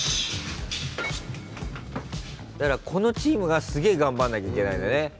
だからこのチームがすげえ頑張んなきゃいけないんだね。